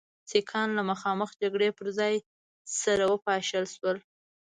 سیکهان له مخامخ جګړې پر ځای سره وپاشل شول.